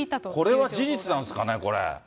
これは事実なんですかね、これ。